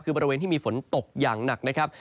คือบริเวณที่มีฝนตกอย่างหนักนะครับ